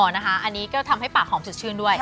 อันนี้ก็ทำให้ปากหอมสดชื่นด้วย